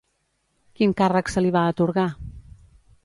Quin càrrec se li va atorgar?